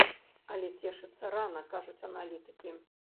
Але цешыцца рана, кажуць аналітыкі.